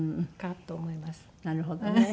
なるほどね。